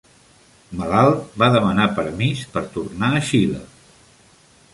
Malalt, va demanar permís per tornar a Xile.